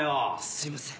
すいません。